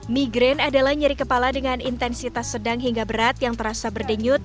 migraine adalah nyeri kepala dengan intensitas sedang hingga berat yang terasa berdenyut